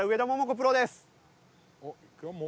プロです。